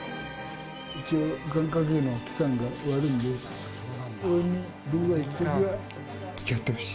一応、願掛けの期間が終わるんで、応援に僕が行くときはつきあってほしい。